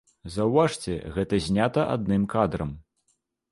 Заўважце, гэта знята адным кадрам.